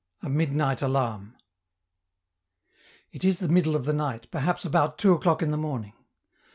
A MIDNIGHT ALARM It is the middle of the night, perhaps about two o'clock in the morning.